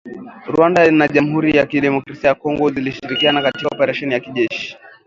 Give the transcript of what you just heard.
Rwanda na Jamuhuri ya Kidemokrasia ya Kongo zilishirikiana katika oparesheni ya kijeshi